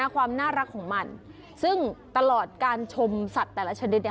ความน่ารักของมันซึ่งตลอดการชมสัตว์แต่ละชนิด